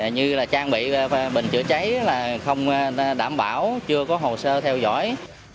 như là trang bị bình chữa cháy là không đảm bảo chưa có hồ sơ theo dõi